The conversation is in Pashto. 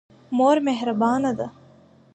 مور مهربانه ده.